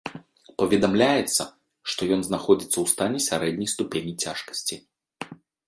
Паведамляецца, што ён знаходзіцца ў стане сярэдняй ступені цяжкасці.